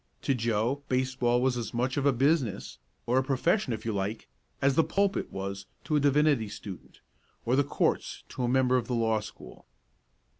To Joe baseball was as much of a business or a profession if you like as the pulpit was to a divinity student, or the courts to a member of the law school.